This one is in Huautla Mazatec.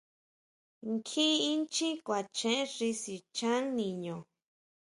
Nkjín inchjín kuachen xi sichán niñu.